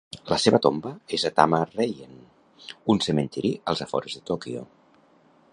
La seva tomba és a Tama Reien, un cementiri als afores de Tòquio.